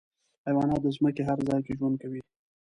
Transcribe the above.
حیوانات د ځمکې هر ځای کې ژوند کوي.